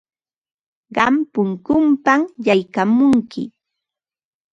Qam punkunpam yaykamunki.